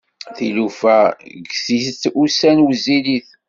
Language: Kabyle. Tilufa ggtit, ussan wezzilit.